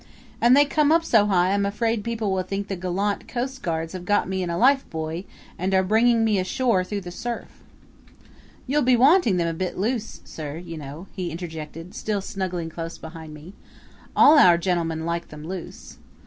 And they come up so high I'm afraid people will think the gallant coast guards have got me in a lifebuoy and are bringing me ashore through the surf." "You'll be wanting them a bit loose, sir, you know," he interjected, still snuggling close behind me. "All our gentlemen like them loose."